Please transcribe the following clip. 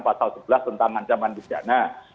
pasal sebelas tentang ancaman di jana